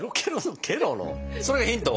それヒント？